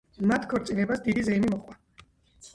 მათ ქორწინებას დიდი ზეიმი მოჰყვა.